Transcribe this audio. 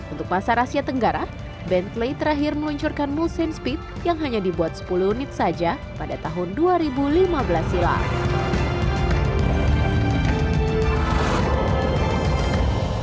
untuk pasar asia tenggara bentley terakhir meluncurkan musim speed yang hanya dibuat sepuluh unit saja pada tahun dua ribu lima belas silam